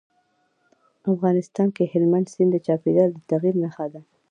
افغانستان کې هلمند سیند د چاپېریال د تغیر نښه ده.